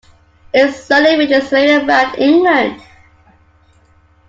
It slowly made its way around England.